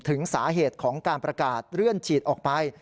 ถึงสาเหตุของการประกาศเลื่อนฉีดออกไป